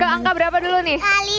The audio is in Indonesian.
angka berapa dulu nih